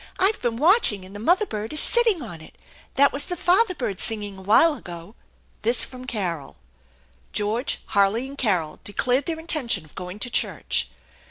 I've been watching and the mother bird is sitting on it. That was the father bird singing a while ago." This from Carol. George, Harley, and Carol declared their intention of going to church.